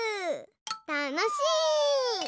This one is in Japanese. たのしい！